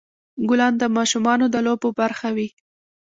ګلان د ماشومانو د لوبو برخه وي.